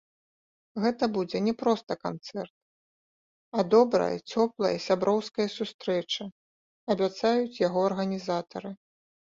Гэта будзе не проста канцэрт, а добрая цёплая сяброўская сустрэча, абяцаюць яго арганізатары.